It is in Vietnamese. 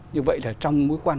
như vậy là trong mối quan